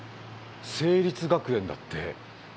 成立学園だって。